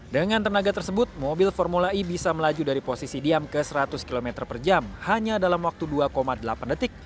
dengan tenaga tersebut mobil formula e bisa melaju dari posisi diam ke seratus km per jam hanya dalam waktu dua delapan detik